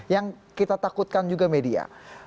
yang kita takutkan juga media